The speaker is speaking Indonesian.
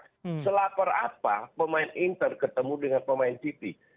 selapar apa pemain inter ketemu dengan pemain city